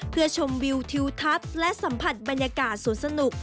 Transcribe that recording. เพื่อชมวิวทิวทัศน์และสัมผัสบรรยากาศสวนสนุก